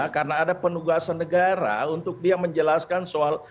karena ada penugasan negara untuk dia menjelaskan soal